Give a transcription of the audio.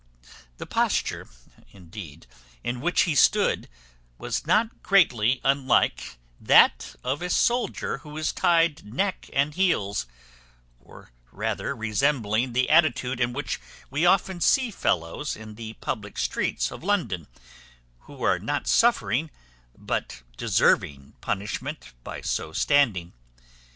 The posture, indeed, in which he stood, was not greatly unlike that of a soldier who is tied neck and heels; or rather resembling the attitude in which we often see fellows in the public streets of London, who are not suffering but deserving punishment by so standing.